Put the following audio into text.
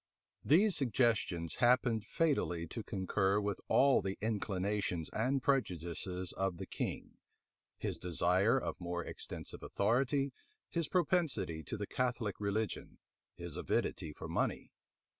These suggestions happened fatally to concur with all the inclinations and prejudices of the king; his desire of more extensive authority, his propensity to the Catholic religion, his avidity for money.